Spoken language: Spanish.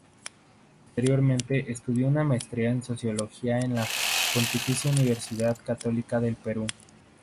Posteriormente, estudió una maestría en Sociología en la Pontificia Universidad Católica del Perú.